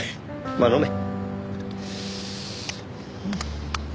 まあ飲め。